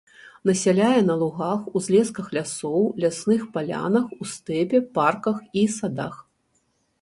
Насяляе на лугах, узлесках лясоў, лясных палянах, у стэпе, парках і садах.